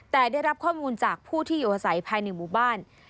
แต่ได้รับข้อมูลจากผู้ที่อยู่อาศัยภายในหมู่บ้าน